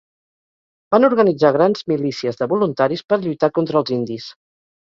Van organitzar grans milícies de voluntaris per lluitar contra els indis.